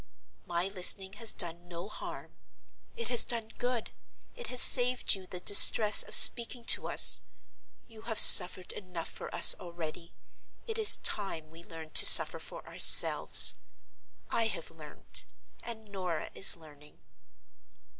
My listening has done no harm. It has done good—it has saved you the distress of speaking to us. You have suffered enough for us already; it is time we learned to suffer for ourselves. I have learned. And Norah is learning."